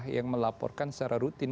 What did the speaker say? yang melaporkan secara rutin